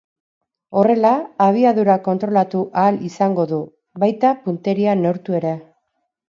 Horrela, abiadura kontrolatu ahal izango du, baita punteria neurtu ere.